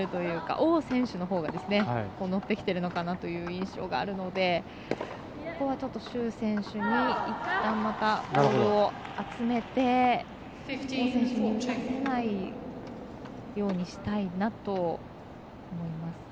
王選手のほうが乗ってきてるのかなという印象があるのでここは朱選手にいったんボールを集めて、王選手に打たせないようにしたいなと思います。